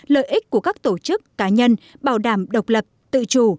lợi ích của các tổ chức cá nhân bảo đảm độc lập tự chủ